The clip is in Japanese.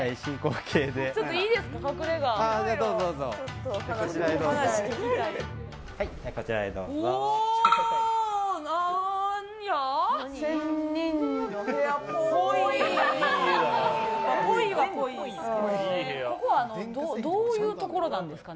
ここはどういうところなんですか？